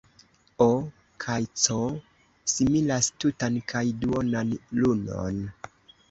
O. kaj C. similas tutan kaj duonan lunon.